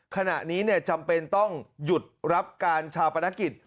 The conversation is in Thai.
ขนาดนี้เนี่ยจำเป็นต้องหยุดรับการชาวภาพนักกิจ